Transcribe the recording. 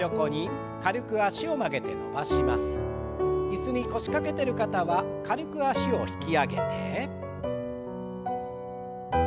椅子に腰掛けてる方は軽く脚を引き上げて。